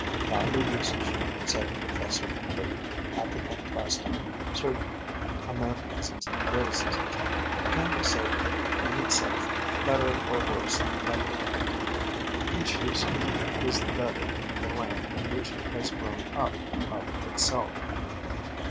"Neither usage," said Professor Freeman, after contrasting certain Americanisms and Briticisms, "can be said to be in itself better or worse than the other. Each usage is the better in the land in which it has grown up of itself."